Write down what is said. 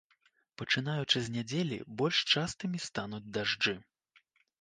Пачынаючы з нядзелі больш частымі стануць дажджы.